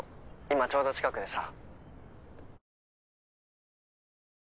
今ちょうど近くでさ。